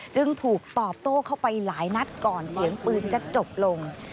จึงถูกตอบโต้เข้าไปหลายนัดก่อนเสียงปืนจะจบลง